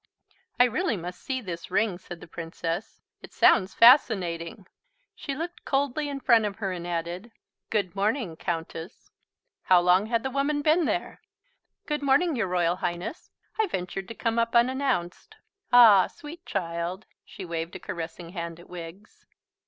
"I really must see this ring," said the Princess. "It sounds fascinating." She looked coldly in front of her and added, "Good morning, Countess." (How long had the woman been there?) "Good morning, your Royal Highness. I ventured to come up unannounced. Ah, sweet child." She waved a caressing hand at Wiggs.